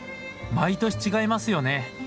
毎年違いますよね。